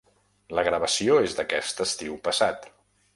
La gravació és d’aquest estiu passat.